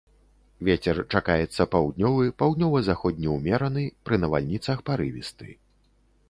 Вецер чакаецца паўднёвы, паўднёва-заходні ўмераны, пры навальніцах парывісты.